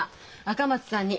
赤松さんに。